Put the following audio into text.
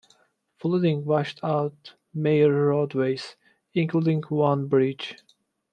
Flooding washed out major roadways, including one bridge.